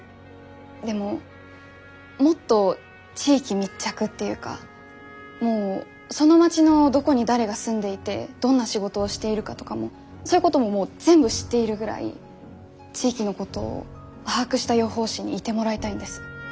でももっと地域密着っていうかもうその町のどこに誰が住んでいてどんな仕事をしているかとかもそういうことももう全部知っているぐらい地域のことを把握した予報士にいてもらいたいんです。